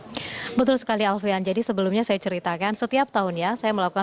hai betul sekali alvian jadi sebelumnya saya ceritakan setiap tahun ya saya melakukan